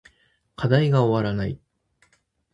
課題が終わらない